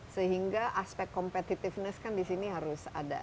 sehingga aspek competitiveness kan di sini harus ada